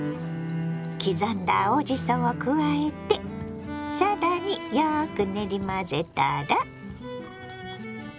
刻んだ青じそを加えて更によく練り混ぜたら。